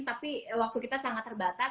tapi waktu kita sangat terbatas